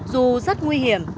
dù rất nguy hiểm